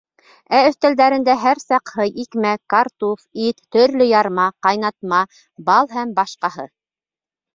Ә өҫтәлдәрендә һәр саҡ һый, икмәк, картуф, ит, төрлө ярма, ҡайнатма, бал һәм башҡаһы.